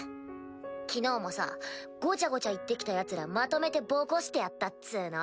昨日もさごちゃごちゃ言ってきたヤツらまとめてボコしてやったっつぅの。